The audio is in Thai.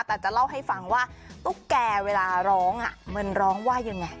แต่จะเล่าให้ฟังว่าตุ๊กแก่เวลาร้องมันร้องว่ายังไง